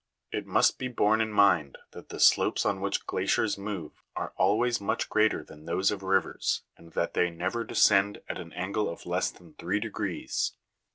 19. It must be borne in mind that the slopes on which glaciers move are always much greater than those of rivers, and that they never descend at an angle of less than three degrees.